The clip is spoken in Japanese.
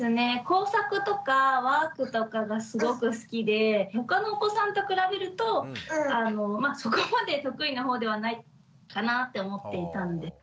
工作とかワークとかがすごく好きでほかのお子さんと比べるとそこまで得意な方ではないかなって思っていたんで。